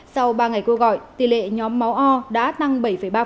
sau ba ngày cô gọi tỷ lệ nhóm máu o đã tăng bảy ba